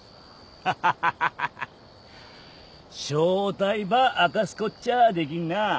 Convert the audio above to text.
ハハハハ正体ば明かすこっちゃあできんな。